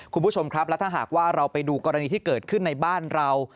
คุณผู้ชมครับแล้วถ้าหากว่าเราไปดูกรณีที่เกิดขึ้นในบ้านเรา